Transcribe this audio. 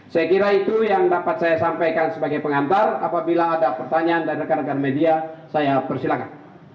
saya kira itu yang dapat saya sampaikan sebagai pengantar apabila ada pertanyaan dari rekan rekan media saya persilahkan